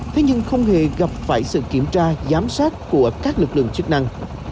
thế nhưng không hề gặp phải sự kiểm tra giám sát của các lực lượng chức năng